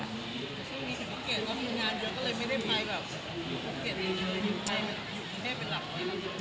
ช่วงนี้เป็นภูเกียรติแล้วมานานเดี๋ยวก็เลยไม่ได้ไปแบบภูเกียรติเลยอยู่ไปปรุงเทศเป็นหลัก